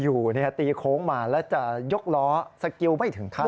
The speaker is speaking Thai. อยู่ตีโค้งมาแล้วจะยกล้อสกิลไม่ถึงขั้น